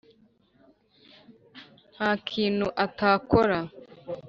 nta kintu atakora.